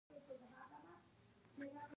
پوستین ګرم وي